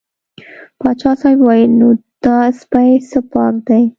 پاچا صاحب وویل نو دا سپی څه پاک دی.